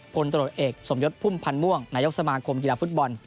พลตรวจเอกสมยศพุ่มพันธ์ม่วงนายกสมาคมกีฬาฟุตบอล